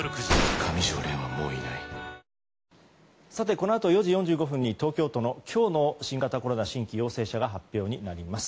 このあと４時４５分に東京都の今日の新型コロナ新規陽性者が発表になります。